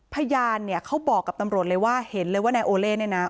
เพราะว่าพยานเขาบอกกับตำรวจเลยว่าเห็นเลยว่าในโอเล่นี่นะ